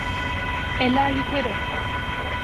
Eller yukarı.